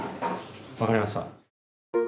分かりました。